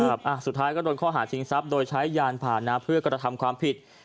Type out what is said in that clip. อ้าวสุดท้ายก็โดนข้อหาสิงคัปโดยใช้ยานผ่านเพื่อกรรทำความผิด